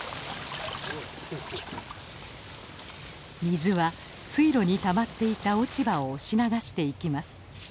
水は水路にたまっていた落ち葉を押し流していきます。